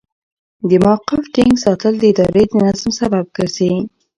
د موقف ټینګ ساتل د ادارې د نظم سبب ګرځي.